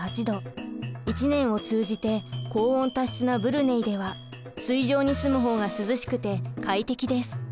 一年を通じて高温多湿なブルネイでは水上に住む方が涼しくて快適です。